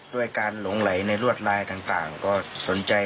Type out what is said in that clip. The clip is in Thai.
ด้วยการหลงไหลในรวดลายต่างก็สนใจ